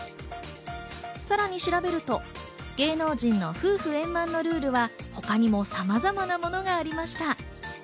さらに調べると芸能人の夫婦円満のルールは他にもさまざまなものがありました。